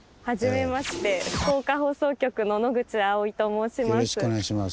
はじめまして福岡放送局の野口葵衣と申します。